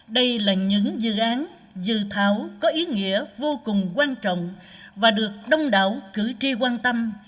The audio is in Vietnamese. đây là những dự án dự thảo có ý nghĩa vô cùng quan trọng và được đông đảo cử tri quan tâm